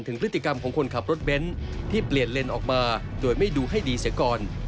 พฤติกรรมของคนขับรถเบนท์ที่เปลี่ยนเลนส์ออกมาโดยไม่ดูให้ดีเสียก่อน